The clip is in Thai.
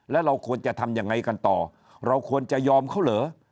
แล้วเราควรจะทำยังไงกันต่อเราควรจะยอมเขาเหรอ